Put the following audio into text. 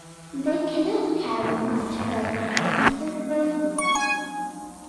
They cannot carry much, but they are incredibly nimble.